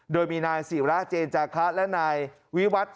โดยมีนายศิระเจนจาคะและนายวิวัตร